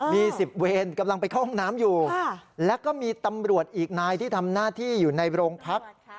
มี๑๐เวรกำลังไปเข้าห้องน้ำอยู่แล้วก็มีตำรวจอีกนายที่ทำหน้าที่อยู่ในโรงพัก